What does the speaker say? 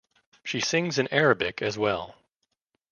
She sings in Arabic as well.